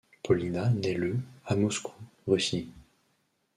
Polina nait le à Moscou, Russie.